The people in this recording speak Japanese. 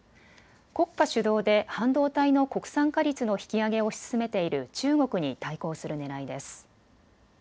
国家主導で半導体の国産化率の引き上げを推し進めている中国に対抗するねらいです。